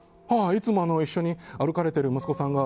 いつも一緒に歩かれてる息子さんが。